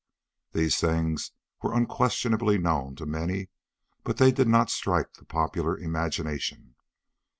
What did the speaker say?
These things were unquestionably known to many, but they did not strike the popular imagination.